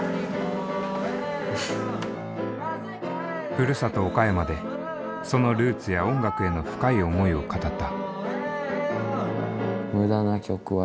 ふるさと岡山でそのルーツや音楽への深い思いを語った。